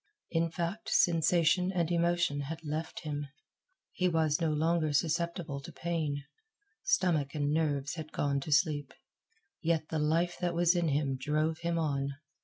In fact, sensation and emotion had left him. He was no longer susceptible to pain. Stomach and nerves had gone to sleep. Yet the life that was in him drove him on.